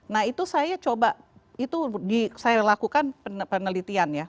nah itu saya coba itu saya lakukan penelitian ya